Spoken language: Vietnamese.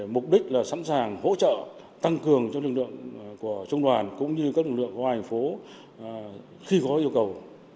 mục đích là sẵn sàng hỗ trợ tăng cường cho lực lượng của trung đoàn cũng như các lực lượng của hành phố khi có yêu cầu